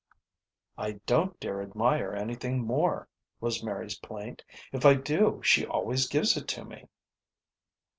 "I don't dare admire anything any more," was Mary's plaint. "If I do she always gives it to me."